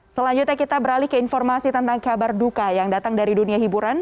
selanjutnya kita beralih ke informasi tentang kabar duka yang datang dari dunia hiburan